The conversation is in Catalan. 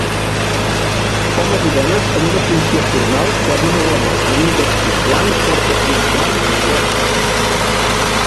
Homes i dones en una funció formal quan una dona en un vestit blanc porta un RAM de flors vermelles